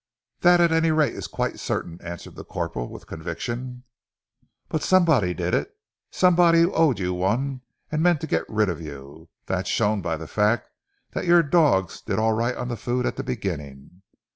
"That at any rate is quite certain!" answered the corporal with conviction. "But somebody did it; somebody who owed you one, and meant to get rid of you. That's shown by the fact that your dogs did all right on the food at the beginning.